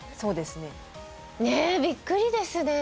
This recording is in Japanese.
ねえびっくりですね。